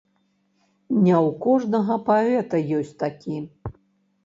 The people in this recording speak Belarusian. Не ў кожнага паэта ёсць такі.